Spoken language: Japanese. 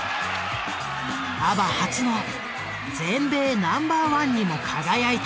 ＡＢＢＡ初の全米ナンバーワンにも輝いた。